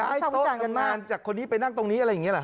ไอ้โต๊ะทำงานจากคนนี้ไปนั่งตรงนี้อะไรอย่างนี้เหรอ